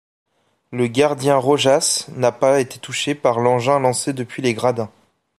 Le gardien Rojas n'a pas été touché par l'engin lancé depuis les gradins.